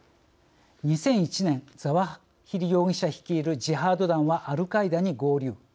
２００１年ザワヒリ容疑者率いるジハード団はアルカイダに合流。